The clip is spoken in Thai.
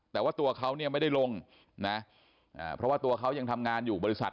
แต่ว่าตัวเขาเนี่ยไม่ได้ลงนะเพราะว่าตัวเขายังทำงานอยู่บริษัท